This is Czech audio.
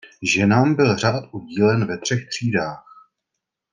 Ženám byl řád udílen ve třech třídách.